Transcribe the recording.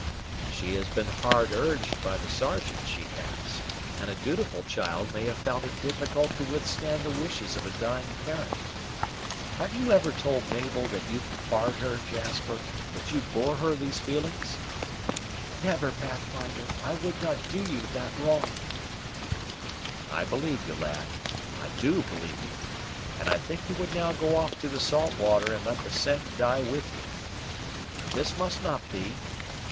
"She has been hard urged by the Sergeant, she has; and a dutiful child may have found it difficult to withstand the wishes of a dying parent. Have you ever told Mabel that you prefarred her, Jasper that you bore her these feelings?" "Never, Pathfinder. I would not do you that wrong." "I believe you, lad, I do believe you; and I think you would now go off to the salt water, and let the scent die with you. But this must not be.